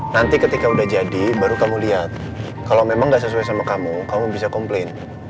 nanti ketika udah jadi baru kamu lihat kalau memang nggak sesuai sama kamu kamu bisa komplain